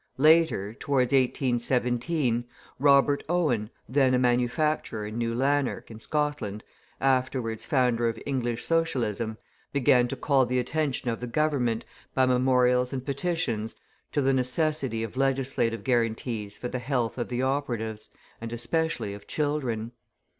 Later, towards 1817, Robert Owen, then a manufacturer in New Lanark, in Scotland, afterwards founder of English Socialism, began to call the attention of the Government, by memorials and petitions, to the necessity of legislative guarantees for the health of the operatives, and especially of children.